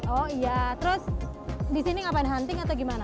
oh iya terus di sini ngapain hunting atau gimana